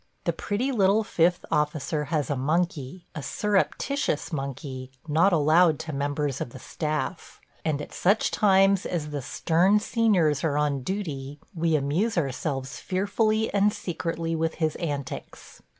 The pretty little fifth officer has a monkey – a surreptitious monkey, not allowed to members of the staff – and at such time as the stern seniors are on duty we amuse ourselves fearfully and secretly with his antics.